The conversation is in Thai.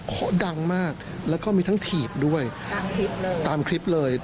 เขาดังมากแล้วก็มีทั้งถีบด้วยตามคลิปเลย